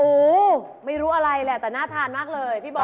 โอ้โหไม่รู้อะไรแหละแต่น่าทานมากเลยพี่บอล